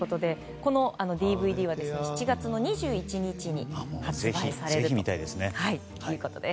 このＤＶＤは７月２１日に発売されるということです。